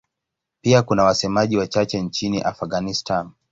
Pia kuna wasemaji wachache nchini Afghanistan.